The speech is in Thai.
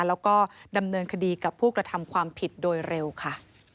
แล้วก็ดำเนินคดีกับผู้กระทำความผิดโดยเร็วค่ะ